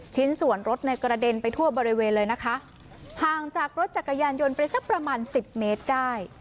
ชิ้นส่วนรถในกระเด็นไปทั่วบริเวณเลยนะคะห่างจากรถจักรยานยนต์ไปสักประมาณสิบเมตรได้